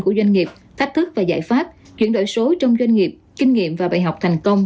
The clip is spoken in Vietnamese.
của doanh nghiệp thách thức và giải pháp chuyển đổi số trong doanh nghiệp kinh nghiệm và bài học thành công